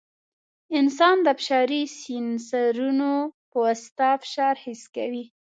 انسان د فشاري سینسرونو په واسطه فشار حس کوي.